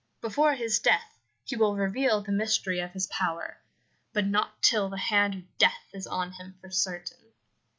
Before his death he will reveal the mystery of his power, but not till the hand of death is on him for certain.'"